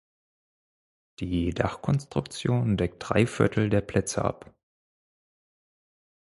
Die Dachkonstruktion deckt drei Viertel der Plätze ab.